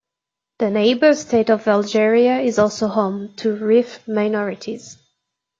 The neighbour state of Algeria is also home to Rif minorities.